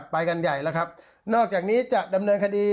ไปกันใหญ่แล้วครับนอกจากนี้จะดำเนินคดี